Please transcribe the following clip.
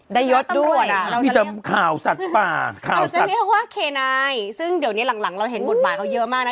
ได้ยศด้วยอะเราจะเรียกว่าเคนายซึ่งเดี๋ยวนี้หลังเราเห็นบทบาทเขาเยอะมากนะ